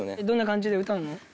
どんな感じで歌うの？